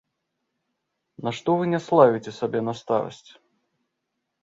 Нашто вы няславіце сябе на старасць?